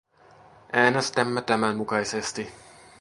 Äänestämme tämän mukaisesti.